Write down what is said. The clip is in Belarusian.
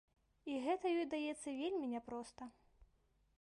І гэта ёй даецца вельмі няпроста.